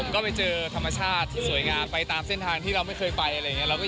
ก็ไปเจอธรรมชาติที่สวยงามไปตามเส้นทางที่เราไม่เคยไปอะไรอย่างนี้